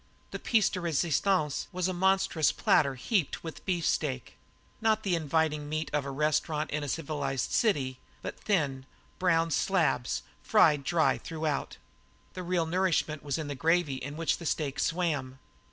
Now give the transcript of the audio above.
The pièce de resistance was a monstrous platter heaped high with beefsteak, not the inviting meat of a restaurant in a civilized city, but thin, brown slabs, fried dry throughout. The real nourishment was in the gravy in which the steak swam.